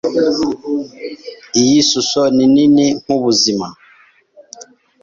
Iyi shusho ni nini nkubuzima.